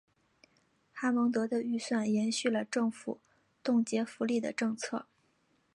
哈蒙德的预算延续了政府冻结福利的政策。